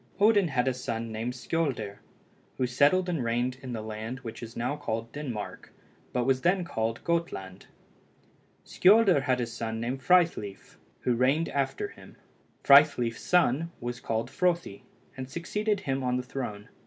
Odin had a son named Skioldr who settled and reigned in the land which is now called Denmark, but was then called Gotland. Skioldr had a son named Frithleif, who reigned after him. Frithleif's son was called Frothi, and succeeded him on the throne.